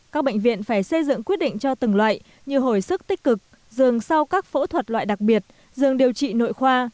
các bệnh viện phải xây dựng quyết định cho từng loại như hồi sức tích cực giường sau các phẫu thuật loại đặc biệt dương điều trị nội khoa